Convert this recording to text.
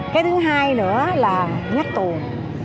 cái thứ hai nữa là nhắc tuồn